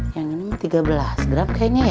yang ini tiga belas gram kayaknya ya